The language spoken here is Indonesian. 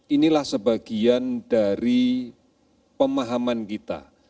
inilah sebagian dari pemahaman kita